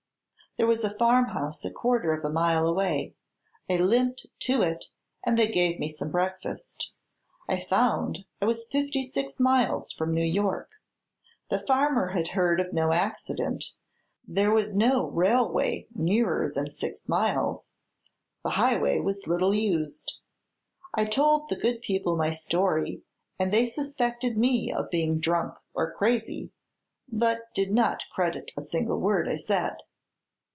There was a farmhouse a quarter of a mile away; I limped to it and they gave me some breakfast. I found I was fifty six miles from New York. The farmer had heard of no accident; there was no railway nearer than six miles; the highway was little used. I told the good people my story and they suspected me of being drunk or crazy, but did not credit a single word I said."